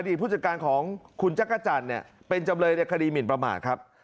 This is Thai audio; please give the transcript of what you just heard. ผู้จัดการของคุณจักรจันทร์เนี่ยเป็นจำเลยในคดีหมินประมาทครับ